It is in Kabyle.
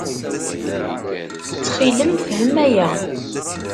Ttxil-m, fhem aya.